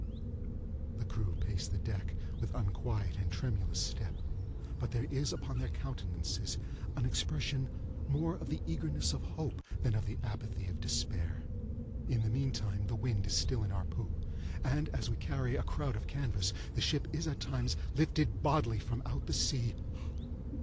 The crew pace the deck with unquiet and tremulous step; but there is upon their countenances an expression more of the eagerness of hope than of the apathy of despair. In the meantime the wind is still in our poop, and, as we carry a crowd of canvas, the ship is at times lifted bodily from out the sea!